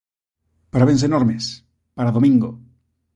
Parabéns, enormes, para Domingo!